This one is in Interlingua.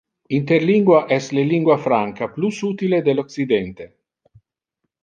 Interlingua es le lingua franca plus utile del occidente!